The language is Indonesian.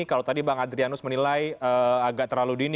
kalau tadi bang adrianus menilai agak terlalu dini